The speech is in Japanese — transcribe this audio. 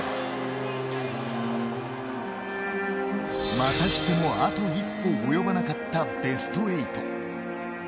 またしてもあと一歩及ばなかったベスト８。